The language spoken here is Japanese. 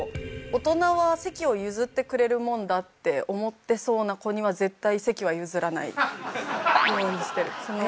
大人は席を譲ってくれるもんだって思ってそうな子には絶対席は譲らないようにしてる。